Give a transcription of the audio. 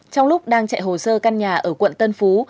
trong lúc đang chạy hồ sơ căn nhà ở quận tân phú